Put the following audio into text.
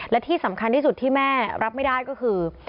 และที่สำคัญที่สุดที่แม่รับไม่ได้ก็คือ